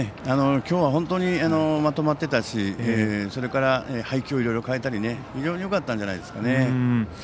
きょうは本当にまとまってたしそれから、配球をいろいろ変えたり非常によかったんじゃないでしょうかね。